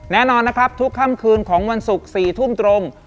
แน่นอนนะครับทุกค่ำคืนของวันศุกร์๔ทุ่มตรง